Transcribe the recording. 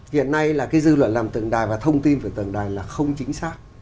hiện nay là cái dư luận làm tầng đài và thông tin về tầng đài là không chính xác